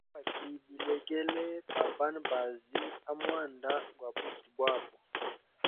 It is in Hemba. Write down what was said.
Nda baki bilegele ba banabazi a mwanda gwa buti bwabo.